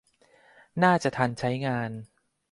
น่าจะทันใช้งาน